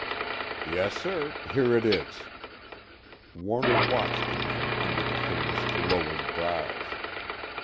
"Yes, sir. Here it is." Warner watched him from under the famous lowered brows.